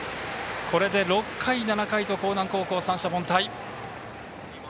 これで６回、７回と興南高校は三者凡退。